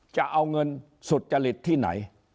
จะเอาเงินสุจริตที่ไหน